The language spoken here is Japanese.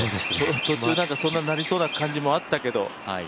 途中そんなになりそうな感じもあったけど。